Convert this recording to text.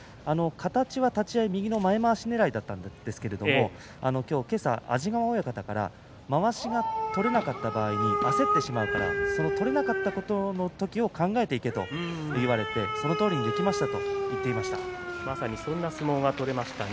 立ち合いは右の前まわしねらいだったんですが今朝、安治川親方からまわしが取れなかった場合に焦ってしまうから取れなかった時のことを考えておけと言われてそのとおりいきましたとまさにそんな相撲が取れました。